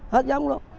hết giống rồi